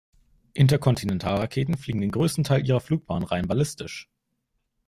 Interkontinentalraketen fliegen den größten Teil ihrer Flugbahn rein ballistisch.